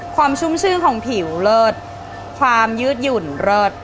ชุ่มชื่นของผิวเลิศความยืดหยุ่นเลิศ